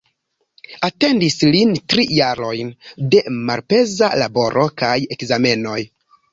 Atendis lin tri jarojn de malpeza laboro kaj ekzamenoj.